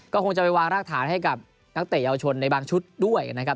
ก็คงจะไปวางรากฐานให้กับนักเตะเยาวชนในบางชุดด้วยนะครับ